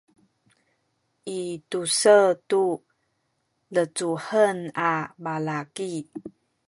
i tu-se tu lecuhen a balaki